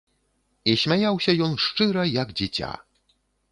І смяяўся ён шчыра, як дзіця.